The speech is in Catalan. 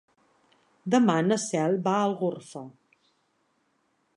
Demà na Cel va a Algorfa.